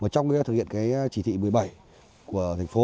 trong cái thực hiện cái chỉ thị một mươi bảy của thành phố